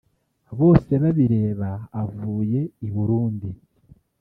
Bosebabireba avuye i Burundi